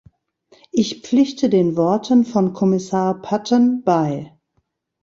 Ich pflichte den Worten von Kommissar Patten bei.